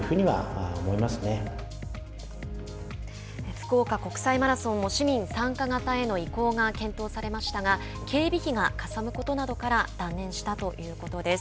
福岡国際マラソンも市民参加型への移行が検討されましたが警備費がかさむことなどから断念したということです。